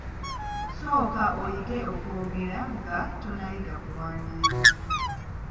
Sooka oyige okwogera nga tonnayiga kuwandiika.